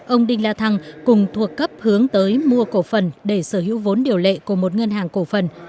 ông đinh la thăng cùng thuộc cấp hướng tới mua cổ phần để sở hữu vốn điều lệ của một ngân hàng cổ phần